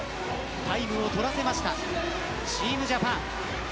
タイムを取らせましたチームジャパン。